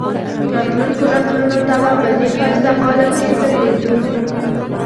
راتلونکو نسلونو ته به په دې ښایسته قالب کې څه پرېږدو.